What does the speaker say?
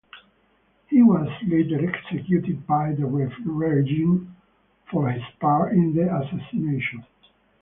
He was later executed by the regime for his part in the assassination.